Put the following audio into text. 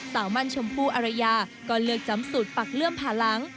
มั่นชมพู่อรยาก็เลือกจำสูตรปักเลื่อมผ่าหลัง